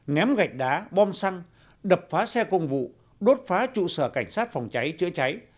ném gạch đá bom xăng đập phá xe công vụ đốt phá trụ sở cảnh sát phòng cháy chữa cháy